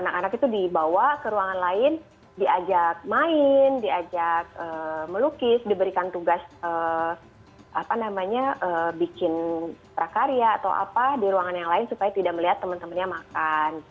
anak anak itu dibawa ke ruangan lain diajak main diajak melukis diberikan tugas apa namanya bikin prakarya atau apa di ruangan yang lain supaya tidak melihat teman temannya makan